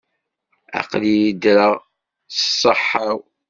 Aql-iyi ddreɣ, s ṣṣeḥḥa-w.